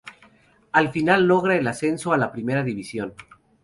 Al final logra el ascenso a la primera división.